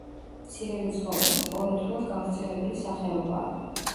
მცირერიცხოვანი, სპორადულად გავრცელებული სახეობაა.